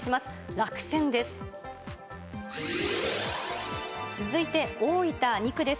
落選です。